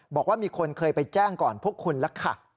บอกว่ามีคนเคยไปแจ้งก่อนพวกคุณแล้วค่ะ